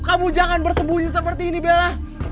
kamu jangan bersembunyi seperti ini bella